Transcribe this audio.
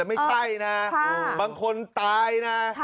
ไม่ใช่นะบางคนตายนะ